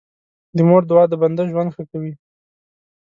د مور دعا د بنده ژوند ښه کوي.